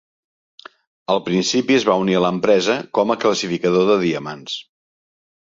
Al principi es va unir a l'empresa com a classificador de diamants.